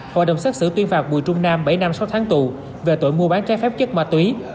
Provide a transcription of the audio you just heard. hội đồng xét xử tuyên phạt bùi trung nam bảy năm sáu tháng tù về tội mua bán trái phép chất ma túy